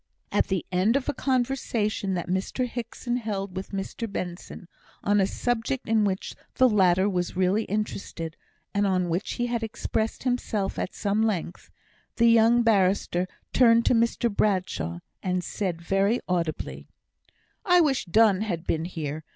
At the end of a conversation that Mr Hickson held with Mr Benson, on a subject in which the latter was really interested, and on which he had expressed himself at some length, the young barrister turned to Mr Bradshaw, and said very audibly, "I wish Donne had been here.